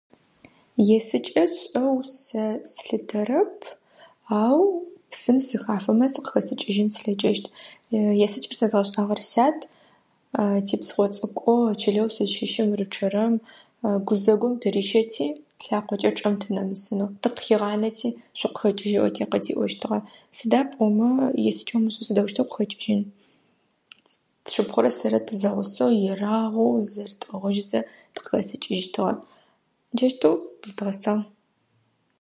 "Есыкӏэ сшӏэу сэ слъытэрэп, ау псым сыхафэмэ сыкъыхэсыкӏыжьын слъэкӏыщт. Есыкӏэр сэзгъэшӏагъэр сят. Типсыхъо цӏыкӏоу чылэу сызщыщым рычъэрэм гузэгум тырищэти тлъакъокӏэ чӏым тынэмысынэу, тыкъыхигъанэти, ""шъукъыхэкӏыжь"" ыӏоти къытиӏощтыгъэ. Сыда пӏомэ есыкӏэ умышӏэу сыдэущтэу укъыхэкӏыжьын? Тшыпхъурэ сэррэ тызэгъусэу ерагъэу зызэрэтӏыгъыжьызэ тыкъыхэсыкӏыжьытыгъэ. Джащтэу зыдгъэсагъ."